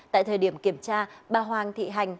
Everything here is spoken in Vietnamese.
tại thời điểm kiểm tra bà hoàng thị hành